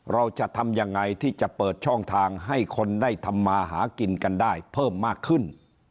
เราจะทำยังไงที่จะเปิดช่องทางให้คนได้ทำมาหากินกันได้เพิ่มมากขึ้น